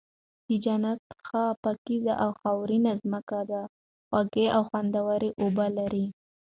د جنت ښه پاکيزه خاورينه زمکه ده، خوږې او خوندوَري اوبه لري